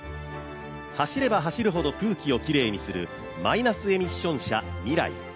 走れば走るほど空気をきれいにするマイナスエミッション車ＭＩＲＡＩ